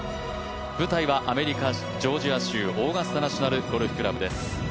舞台はアメリカ・ジョージア州オーガスタナショナルゴルフクラブです。